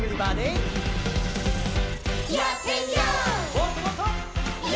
もっともっと！